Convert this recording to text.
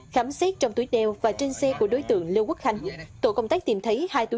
khám xét trong túi đeo và trên xe của đối tượng lê quốc khánh tổ công tác tìm thấy hai túi nilong chứa ma túy